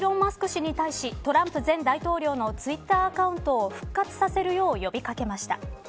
氏に対しトランプ前大統領のツイッターアカウントを復活させるよう呼び掛けました。